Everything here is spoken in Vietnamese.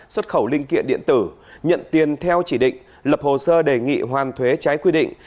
xuất khẩu linh kiện điện tử nhận tiền theo chỉ định lập hồ sơ đề nghị hoàn thuế trái quy định